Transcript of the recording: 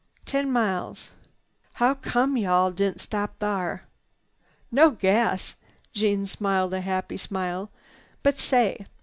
"Ten miles. How come you all didn't stop thar?" "No gas." Jeanne smiled a happy smile. "But say!